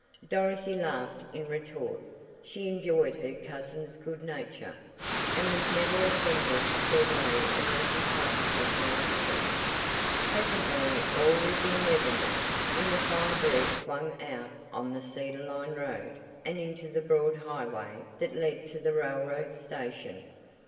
Dorothy laughed in retort. She enjoyed her cousins' good nature, and was never offended at their way of making fun at her expense. Presently all was in readiness, and the Fire Bird swung out on the cedar lined road and into the broad highway that led to the railroad station.